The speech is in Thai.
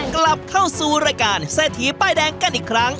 กลับเข้าสู่รายการเศรษฐีป้ายแดงกันอีกครั้ง